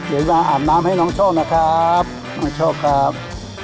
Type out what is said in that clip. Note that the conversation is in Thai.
เดี๋ยวจะมาอาบน้ำให้น้องโชคนะครับน้องโชคครับ